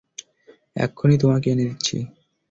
এক্ষুনি তোমাকে এনে দিচ্ছি।